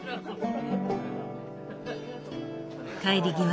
帰り際